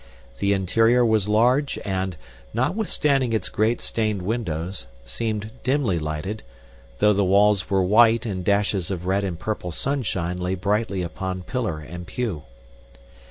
The interior was large and, notwithstanding its great stained windows, seemed dimly lighted, though the walls were white and dashes of red and purple sunshine lay brightly upon pillar and pew.